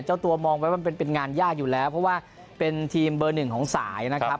เจ้าตัวมองไว้มันเป็นงานยากอยู่แล้วเพราะว่าเป็นทีมเบอร์หนึ่งของสายนะครับ